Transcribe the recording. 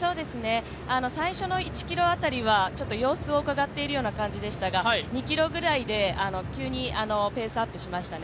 最初の１ｋｍ辺りは様子をうかがっているような感じでしたが、２ｋｍぐらいで急にペースアップしましたね。